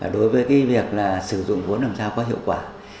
đối với việc sử dụng vốn làm sao có hiệu quả